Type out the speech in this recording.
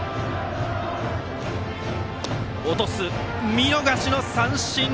見逃し三振！